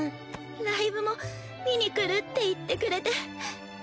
ライブも見に来るって言ってくれて。